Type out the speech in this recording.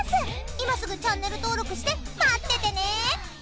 今すぐチャンネル登録して待っててね！